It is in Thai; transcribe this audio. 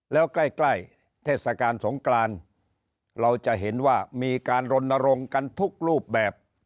แล้วใกล้ใกล้เทศกาลสงกรานเราจะเห็นว่ามีการรณรงค์กันทุกรูปแบบ